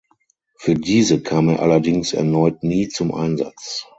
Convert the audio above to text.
Für diese kam er allerdings erneut nie zum Einsatz.